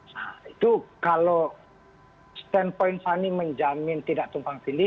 nah itu kalau standpoint saya ini menjamin tidak tumpang tini